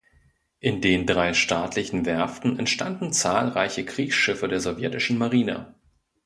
In den drei staatlichen Werften entstanden zahlreiche Kriegsschiffe der sowjetischen Marine.